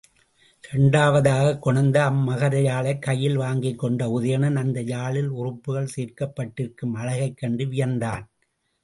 இரண்டாவதாகக் கொணர்ந்த அம்மகர யாழைக் கையில் வாங்கிக்கொண்ட உதயணன் அந்த யாழில் உறுப்புக்கள் சேர்க்கப்பட்டிருக்கும் அழகைக் கண்டு வியந்தான்.